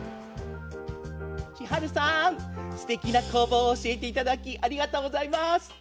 千春さん、すてきな工房を教えていただきありがとうございます。